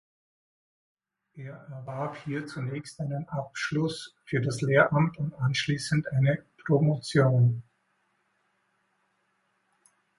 Er erwarb hier zunächst einen Abschluss für das Lehramt und anschließend eine Promotion.